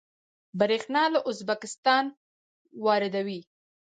بریښنا له ازبکستان واردوي